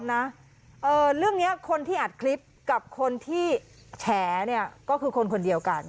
เรื่องนี้คนที่อัดคลิปกับคนที่แฉเนี่ยก็คือคนคนเดียวกัน